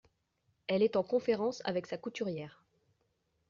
Elle est en conférence avec sa couturière !…